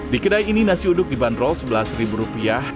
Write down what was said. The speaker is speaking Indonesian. di kedai ini nasi uduk dibanderol sebelas ribu rupiah